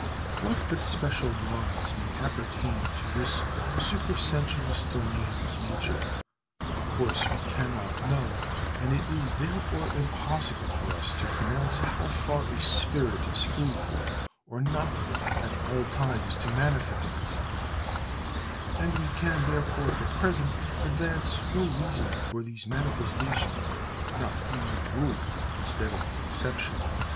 What especial laws may appertain to this supersensuous domain of nature, of course we can not know, and it is therefore impossible for us to pronounce how far a spirit is free, or not free, at all times to manifest itself; and we can, therefore, at present, advance no reason for these manifestations not being the rule instead of the exception.